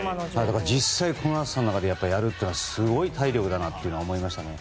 実際、この暑さの中でやるというのはすごい体力だなと思いましたね。